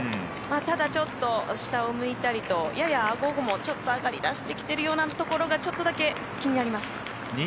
ただ、ちょっと下を向いたりとやや顎もちょっと上がりだしてきているようなところがちょっとだけ気になります。